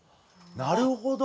なるほど！